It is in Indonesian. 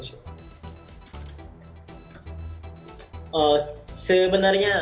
dan saya juga bisa memperbaiki kemahiran saya